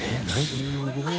すごい。